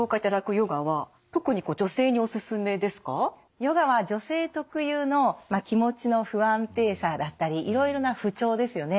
ヨガは女性特有の気持ちの不安定さだったりいろいろな不調ですよね